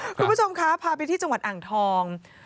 คุณผู้ชมคะพาไปที่จังหวัดอ่างทอง